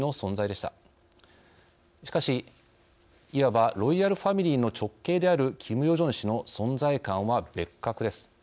しかしいわばロイヤルファミリーの直系であるキム・ヨジョン氏の存在感は別格です。